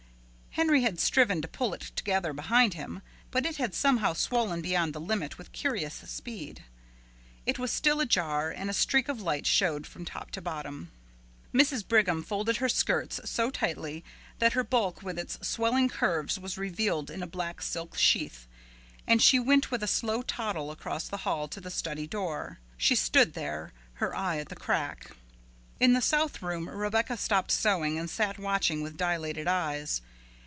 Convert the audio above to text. Henry had striven to pull it together behind him, but it had somehow swollen beyond the limit with curious speed. It was still ajar and a streak of light showed from top to bottom. Mrs. Brigham folded her skirts so tightly that her bulk with its swelling curves was revealed in a black silk sheath, and she went with a slow toddle across the hall to the study door. She stood there, her eye at the crack. In the south room Rebecca stopped sewing and sat watching with dilated eyes.